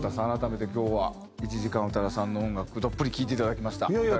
改めて今日は１時間宇多田さんの音楽どっぷり聴いていただきました。